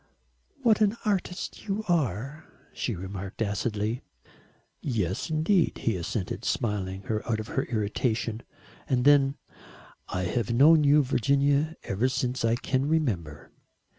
"What an artist you are," she remarked acidly. "Yes, indeed," he assented, smiling her out of her irritation. And then: "I have known you, Virginia, ever since I can remember."